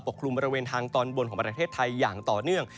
กลุ่มบริเวณทางตอนบนของประเทศไทยอย่างต่อเนื่อง